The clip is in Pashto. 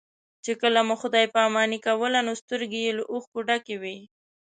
چې کله مو خدای پاماني کوله نو سترګې یې له اوښکو ډکې وې.